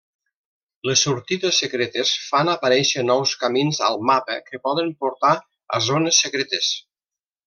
Les sortides secretes fan aparèixer nous camins al mapa que poden portar a zones secretes.